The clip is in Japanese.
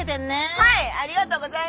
はい！